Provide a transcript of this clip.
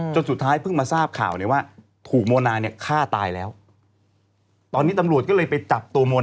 จนสุดท้ายเพิ่งมาทราบข่าวเนี่ยว่า